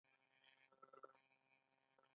ما احمد ته پنځه زره افغانۍ قرض ورکړې.